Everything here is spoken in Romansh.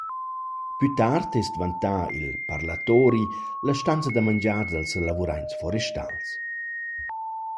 Plü tard es dvantà il parlatori la stanza da mangiar dals lavuraints forestals.